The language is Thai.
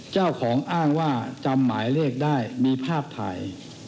เจ้าของอ้างว่าจำหมายเลขได้มีภาพถ่าย